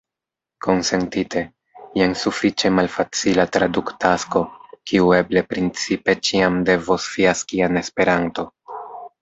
Konsentite, jen sufiĉe malfacila traduktasko, kiu eble principe ĉiam devos fiaski en Esperanto.